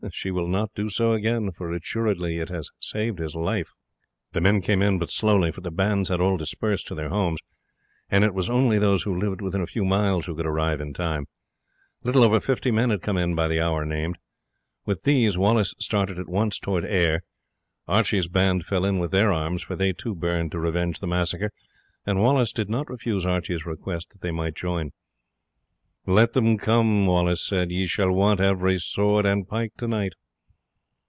She will not do so again, for assuredly it has saved his life." The men came in but slowly, for the bands had all dispersed to their homes, and it was only those who lived within a few miles who could arrive in time. Little over fifty men had come in by the hour named. With these Wallace started at once towards Ayr. Archie's band fell in with their arms, for they too burned to revenge the massacre, and Wallace did not refuse Archie's request that they might join. "Let them come," he said; "we shall want every sword and pike tonight."